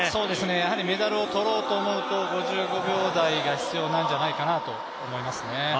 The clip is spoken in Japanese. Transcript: やはりメダルをとろうと思うと５５秒台が必要なんじゃないかなと思います。